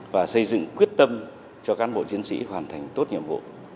và xây dựng quyết tâm cho cán bộ chiến sĩ hoàn thành tốt nhiệm vụ